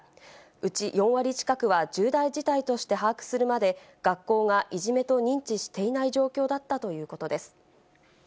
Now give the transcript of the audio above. うち４割近くは重大事態として把握するまで、学校がいじめと認知していない状況だったということです。